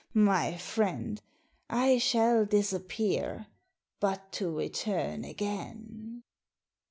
Bah, my friend, I shall disappear, but to return again!"